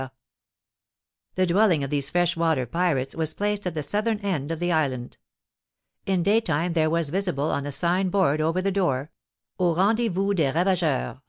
The dwelling of these freshwater pirates was placed at the southern end of the island. In daytime there was visible, on a sign board over the door: "AU RENDEZVOUS DES RAVAGEURS.